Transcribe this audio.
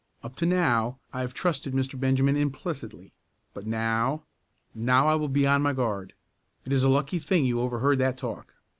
Up to now I have trusted Mr. Benjamin implicitly, but now now I will be on my guard. It is a lucky thing you overheard that talk."